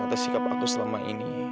atas sikap aku selama ini